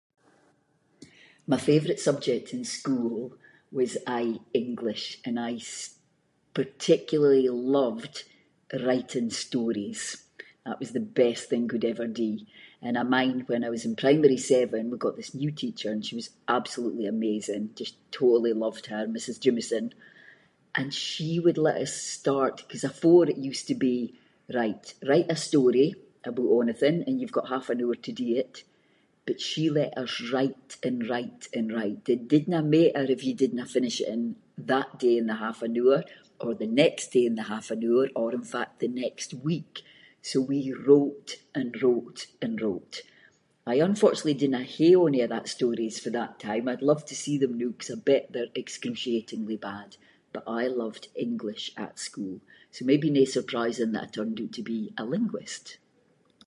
My favourite subject in school was aie English, and I s- particularly loved writing stories, that was the best thing could ever do, and I mind when I was in primary seven, we got this new teacher and she was absolutely amazing, just totally loved her, Mrs Jimmeson, and she would let us start- ‘cause afore it used to be “right, write a story aboot onything and you’ve got half an hour to do it” but she let us write and write and write, it didnae matter if you didnae finish it in that day in the half an hour or the next day in the half an hour, or in fact the next week. So, we wrote and wrote and wrote. I unfortunately dinna hae ony of that stories fae that time, I’d love to see them noo, ‘cause I bet they’re excruciatingly bad, but I loved English at school, so maybe no surprising that I turned oot to be a linguist.